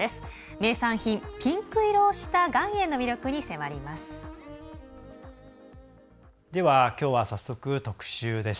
名産品、ピンク色をした岩塩の魅力に迫ります。